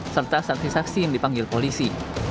serta saksi saksi yang dipanggil polisi